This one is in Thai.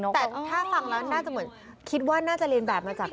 แต่ถ้าฟังแล้วคิดว่าน่าจะเรียนแบบมาจาก